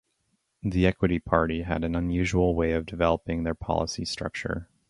The Equity Party had an unusual way of developing their policy structure.